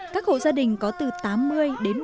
các hộ gia đình có từ tám mươi đến một trăm linh triệu đồng